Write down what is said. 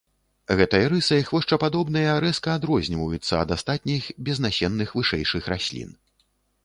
Гэтай рысай хвошчападобныя рэзка адрозніваюцца ад астатніх безнасенных вышэйшых раслін.